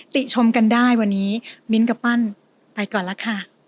ติชมกันได้วันนี้มิ้นท์กับปั้นไปก่อนแล้วค่ะ